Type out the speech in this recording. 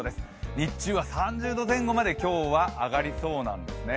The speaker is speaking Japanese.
日中は３０度前後まで今日は上がりそうなんですね。